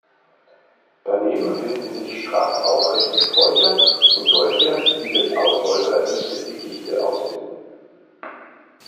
Daneben finden sich straff aufrechte Sträucher und solche, die durch Ausläufer dichte Dickichte ausbilden.